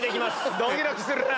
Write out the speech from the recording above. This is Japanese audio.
ドキドキするなぁ。